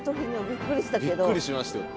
びっくりしましたよ。